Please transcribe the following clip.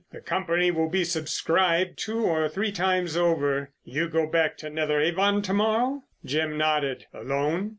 "The Company will be subscribed two or three times over. You go back to Netheravon to morrow?" Jim nodded. "Alone?"